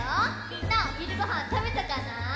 みんなおひるごはんたべたかな？